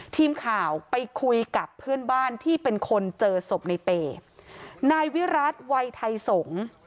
ทีมข่าวไปคุยกับเพื่อนบ้านที่เป็นคนเจอศพในเปย์นายวิรัติวัยไทยสงศ์